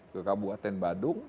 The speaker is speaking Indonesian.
ke kabupaten badung